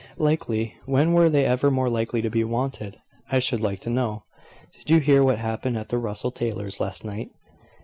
"Likely! when were they ever more likely to be wanted, I should like to know! Did you hear what happened at the Russell Taylors' last night?"